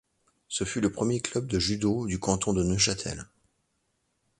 Ce fut le premier club de jûdô du canton de Neuchâtel.